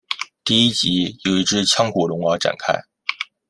第一集由一只腔骨龙而展开。